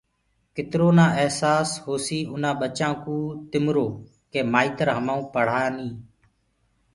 ڪترو نآ اهسآس هوسيٚ اُنآ ٻچآنٚڪو تِمرو ڪي مآئترهمآئون پڙهآني